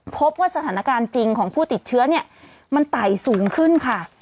พบว่าสถานการณ์จริงของผู้ติดเชื้อเนี่ยมันไต่สูงขึ้นค่ะ